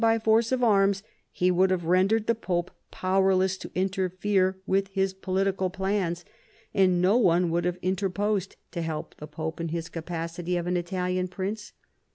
by force of arms he would have rendered the Pope powerless to interfere with his political plans, and no one would have interposed to help the Pope in his capacity of an Italian prince.